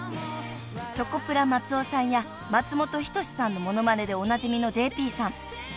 ［チョコプラ松尾さんや松本人志さんのモノマネでおなじみのＪＰさん］